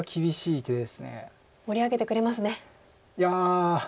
いや。